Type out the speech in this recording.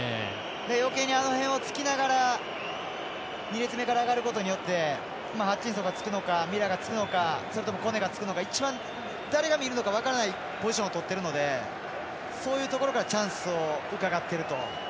よけいに、あの辺をつきながら２列目から上がることによってハッチンソンがつくのかミラーがつくのか、それともコネがつくのか一番誰が見るのか分からないポジションを取ってるのでそういうところからうかがってると。